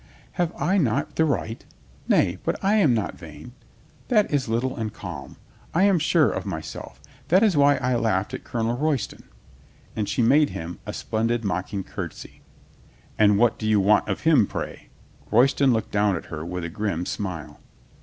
"Have I not the right? Nay, but I am not vain. That is little and calm. I am sure of myself. That is why I laugh at Colonel Roy ston," and she made him a splendid mocking curtsy. "And what do you want of him, pray ?" Royston looked down at her with a grim smile.